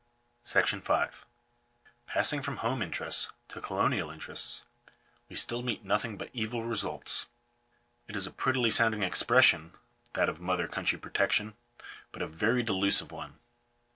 §5. Passing from home interests to colonial interests, we still meet nothing but evil results. It is a prettily sounding expres sion that of mother country protection, but a very delusive one.